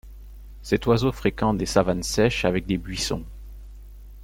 Cet oiseau fréquente les savanes sèches avec des buissons.